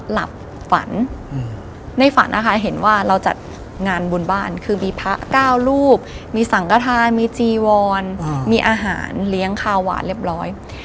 หลับฝันในฝันนะคะเห็นว่าเราจัดงานบุญบ้านคือมีพระเก้ารูปมีสังกฐานมีจีวอนมีอาหารเลี้ยงคาหวานเรียบร้อย